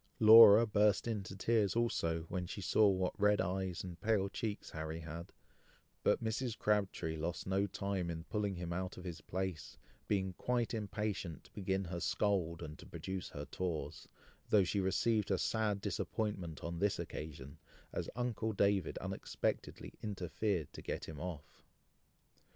Laura burst into tears also, when she saw what red eyes and pale cheeks Harry had; but Mrs. Crabtree lost no time in pulling him out of his place, being quite impatient to begin her scold, and to produce her tawse, though she received a sad disappointment on this occasion, as uncle David unexpectedly interfered to get him off.